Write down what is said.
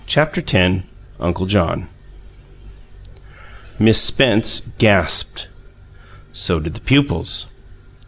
CHAPTER X UNCLE JOHN Miss Spence gasped. So did the pupils.